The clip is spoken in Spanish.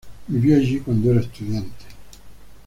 Vivió allí cuando era estudiante.